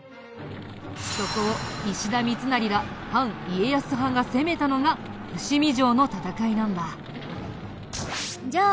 そこを石田三成ら反家康派が攻めたのが伏見城の戦いなんだ。